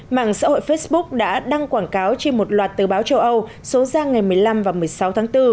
mạng xã hội facebook đã đăng quảng cáo trên một loạt tờ báo châu âu số ra ngày một mươi năm và một mươi sáu tháng bốn